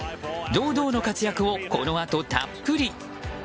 堂々の活躍をこのあとたっぷり。